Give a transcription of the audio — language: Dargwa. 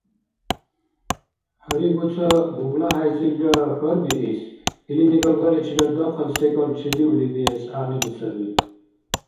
Гьаригу ца, ГуглахӀяйзилра хьарбиис. Илини галгаличирад дахъал секӀал чедиули биэс гӀягӀнили саби.